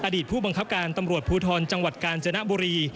อดีตผู้บังคับการตำรวจภูทรจังหวัดกาญจนบุรี